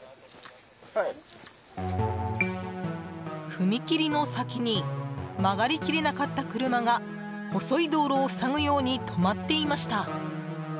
踏切の先に曲がり切れなかった車が細い道路を塞ぐように止まっていました。